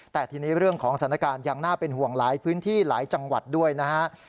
แต่ทีนี้เรื่องของสถานการณ์ยังน่าเป็นห่วงหลายพื้นที่หลายจังหวัดด้วยนะฮะ